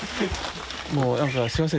もうなんかすいません。